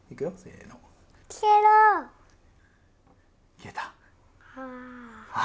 消えた。